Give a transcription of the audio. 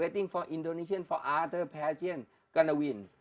tunggu indonesia untuk pajet lain yang akan menang